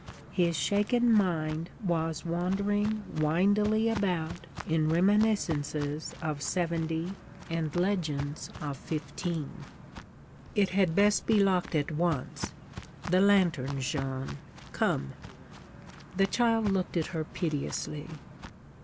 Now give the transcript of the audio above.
His shaken mind was wandering windily about in reminiscences of '70 and legends of '15. 'It had best be locked at once. The lantern, Jeanne. Come.' The child looked at her piteously.